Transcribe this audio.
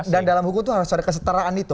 dan dalam hukum itu harus ada kesetaraan itu